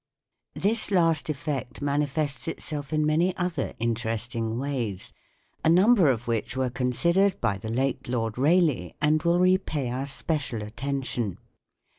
This last effect manifests itself in many other interesting ways, a number of which were con sidered by the late Lord Rayleigh, and will repay our special attention.